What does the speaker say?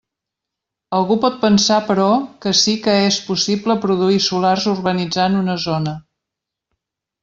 Algú pot pensar però que sí que és possible produir solars urbanitzant una zona.